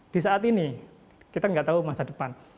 di saat ini kita nggak tahu masa depan